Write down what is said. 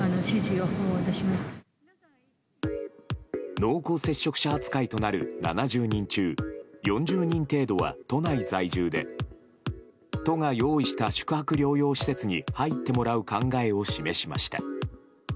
濃厚接触者扱いとなる７０人中４０人程度は都内在住で都が用意した宿泊療養施設に入ってもらう考えを示しました。